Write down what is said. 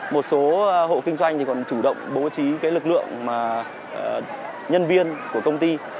một số hộ kinh doanh thì còn chủ động bố trí lực lượng nhân viên của công ty